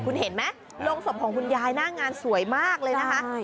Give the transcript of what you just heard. คุณเห็นไหมโรงศพของคุณยายหน้างานสวยมากเลยนะคะ